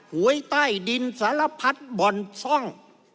หวยใต้ดินสารพัดบ่อนซ่อง